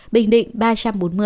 bình định ba trăm bốn mươi